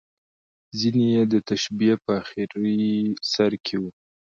ځینې یې د تشبیه په اخري سر کې وو.